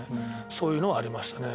そういうのはありましたね